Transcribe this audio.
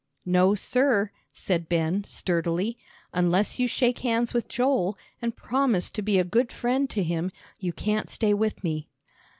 "No, sir," said Ben, sturdily; "unless you shake hands with Joel, and promise to be a good friend to him, you can't stay with me."